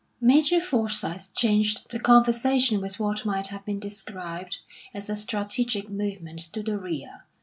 Major Forsyth changed the conversation with what might have been described as a strategic movement to the rear.